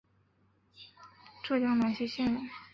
浙江兰溪县人。